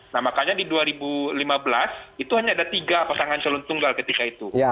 nah makanya di dua ribu lima belas itu hanya ada tiga pasangan calon tunggal ketika itu